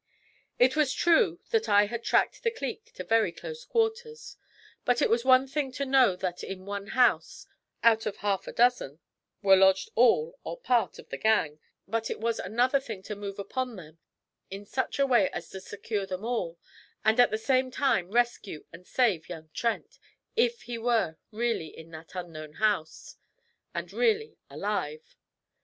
It was true that I had tracked the 'clique' to very close quarters, but it was one thing to know that in one house, out of half a dozen, were lodged all, or a part, of the gang, and it was another thing to move upon them in such a way as to secure them all, and at the same time rescue and save young Trent, if he were really in that unknown house, and really alive.